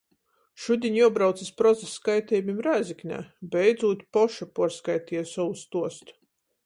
Šudiņ juobrauc iz Prozys skaitejumim Rēzeknē. Beidzūt poša puorskaiteju sovu stuostu.